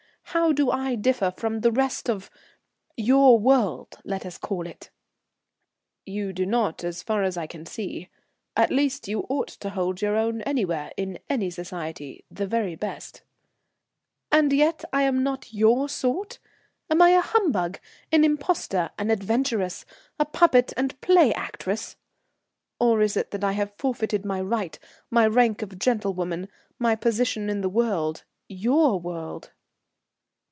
How do I differ from the rest of your world, let us call it?" "You do not, as far as I can see. At least you ought to hold your own anywhere, in any society, the very best." "And yet I'm not 'your sort.' Am I a humbug, an impostor, an adventuress, a puppet and play actress? Or is it that I have forfeited my right, my rank of gentlewoman, my position in the world, your world?"